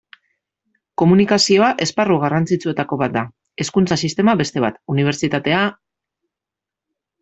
Komunikazioa esparru garrantzitsuetako bat da, hezkuntza sistema beste bat, unibertsitatea...